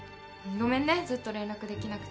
ごめんねずっと連絡できなくて